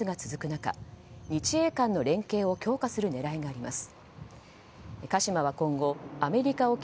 中日英間の連携を強化する狙いがあります。